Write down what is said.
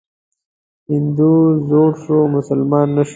هندو زوړ سو ، مسلمان نه سو.